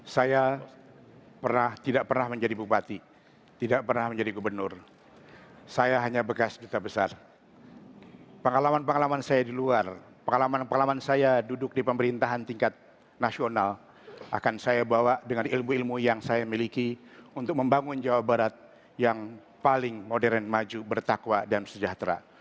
saya di luar pengalaman pengalaman saya duduk di pemerintahan tingkat nasional akan saya bawa dengan ilmu ilmu yang saya miliki untuk membangun jawa barat yang paling modern maju bertakwa dan sejahtera